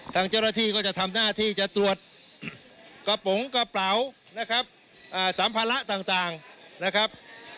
ทางเจรธีก็จะทำหน้าที่จะตรวจกระเป๋าสัมภาระต่างนะครับ